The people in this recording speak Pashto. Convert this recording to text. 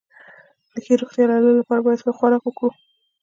د ښې روغتيا لرلو لپاره بايد ښه خوراک وکړو